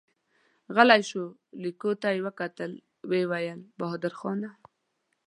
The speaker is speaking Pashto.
غلی شو، ليکو ته يې وکتل، ويې ويل: بهادرخانه!